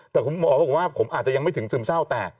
แต่คุณหมอบอกว่าผมอาจจะยังไม่ถึงซึมเศร้าแต่